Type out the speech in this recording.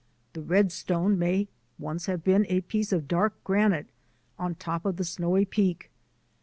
The red stone may once have been a piece of dark granite on top of the snowy peak.